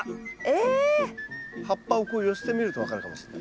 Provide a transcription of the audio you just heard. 葉っぱをこう寄せてみると分かるかもしれない。